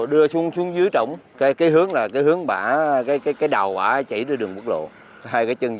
đưa xuống dưới trũng cái hướng là cái hướng bả cái cái cái đầu ả chỉ đường bức lộ hai cái chân